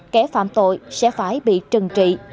kẻ phạm tội sẽ phải bị trừng trị